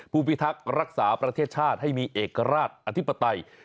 พิทักษ์รักษาประเทศชาติให้มีเอกราชอธิปไตย